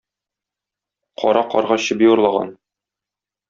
Кара карга чеби урлаган.